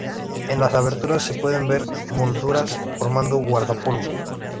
En las aberturas se pueden ver molduras formando guardapolvo.